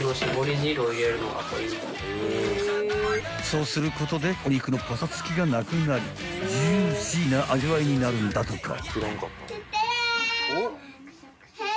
［そうすることでお肉のパサつきがなくなりジューシーな味わいになるんだとか］